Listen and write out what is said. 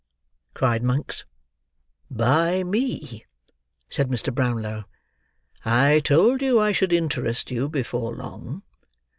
cried Monks. "By me," said Mr. Brownlow. "I told you I should interest you before long.